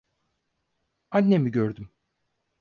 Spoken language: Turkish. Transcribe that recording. Annemi gördüm.